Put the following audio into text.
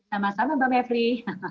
sama sama mbak mephri